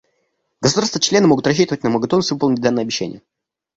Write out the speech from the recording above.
Государства-члены могут рассчитывать на мою готовность выполнить данное обещание.